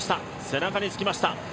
背中につきました。